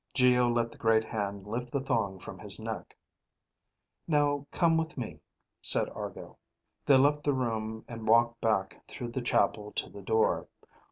Geo let the great hand lift the thong from his neck. "Now come with me," said Argo. They left the room and walked back through the chapel to the door.